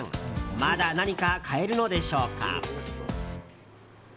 まだ何か買えるのでしょうか？